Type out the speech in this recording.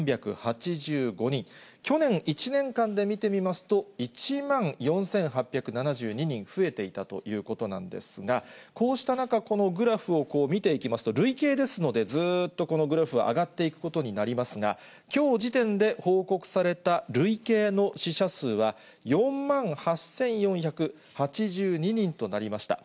去年１年間で見てみますと、１万４８７２人増えていたということなんですが、こうした中、このグラフを見ていきますと、累計ですので、ずっとこのグラフは上がっていくことになりますが、きょう時点で報告された累計の死者数は４万８４８２人となりました。